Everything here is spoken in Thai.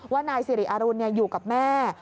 ว่านายสิริอรุณอยู่กับแม่